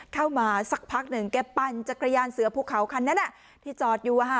เข้ามาสักพักหนึ่งแกปั่นจักรยานเสือภูเขาคันนั้นที่จอดอยู่